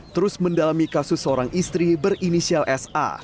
terus mendalami kasus seorang istri berinisial sa